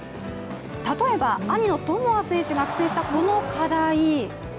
例えば兄の智亜選手が苦戦したこの課題。